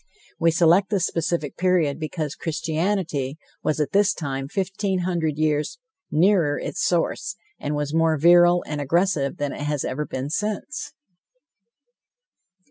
We select this specific period, because Christianity was at this time fifteen hundred years nearer to its source, and was more virile and aggressive than it has ever been since.